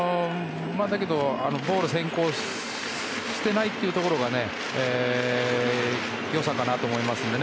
だけどボール先行してないというところが良さだと思いますので。